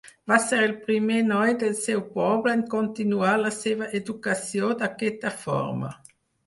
Va ser el primer noi del seu poble en continuar la seva educació d'aquesta forma.